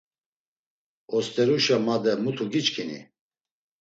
Osteruşe made mutu giçkini?